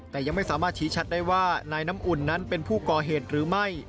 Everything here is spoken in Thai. แต่ยังไม่สามารถชี้ชัดได้ว่านายน้ำอุ่นนั้นเป็นผู้ก่อเหตุหรือไม่